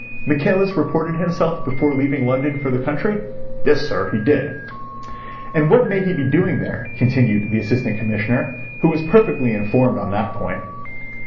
"Michaelis reported himself before leaving London for the country?" "Yes, sir. He did." "And what may he be doing there?" continued the Assistant Commissioner, who was perfectly informed on that point.